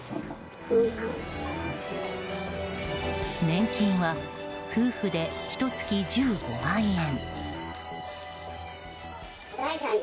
年金は夫婦でひと月１５万円。